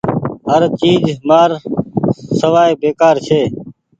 هر چئيز مآر سوائي بيڪآر ڇي۔